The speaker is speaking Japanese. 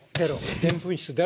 でんぷん質出ろ。